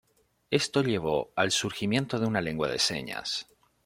Esto llevó al surgimiento de una lengua de señas.